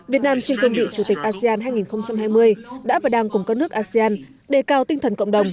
việt nam trên cơn vị chủ tịch asean hai nghìn hai mươi đã và đang cùng các nước asean đề cao tinh thần cộng đồng